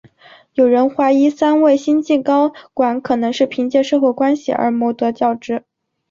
有人怀疑三位新晋高管可能是凭借社会关系而谋得要职。